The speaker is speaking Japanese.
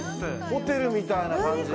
ホテルみたいな感じ。